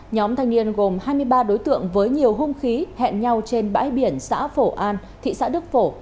nhóm thanh niên gồm hai mươi ba đối tượng với nhiều hung khí hẹn nhau trên bãi biển xã phổ an thị xã đức phổ